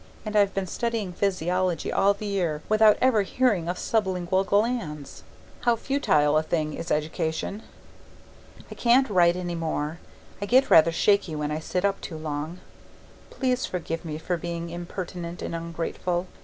And I've been studying physiology all the year without ever hearing of sublingual glands. How futile a thing is education! I can't write any more; I get rather shaky when I sit up too long. Please forgive me for being impertinent and ungrateful.